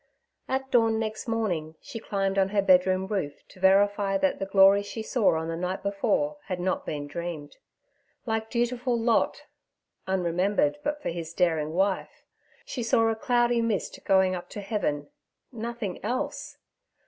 At dawn next morning she climbed on her bedroom roof to verify that the glories she saw on the night before had not been dreamed. Like dutiful Lot [unremembered but for his daring wife], she saw a cloudy mist going up to heaven—nothing else!